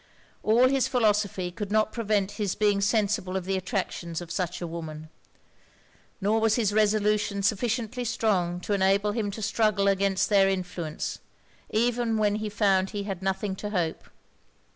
All his philosophy could not prevent his being sensible of the attractions of such a woman; nor was his resolution sufficiently strong to enable him to struggle against their influence, even when he found he had nothing to hope.